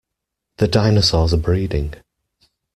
The dinosaurs are breeding!